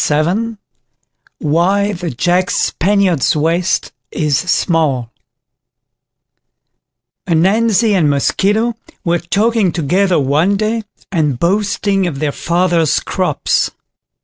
APPENDIX WHY THE JACK SPANIARD'S WAIST IS SMALL Ananzi and Mosquito were talking together one day, and boasting of their fathers' crops.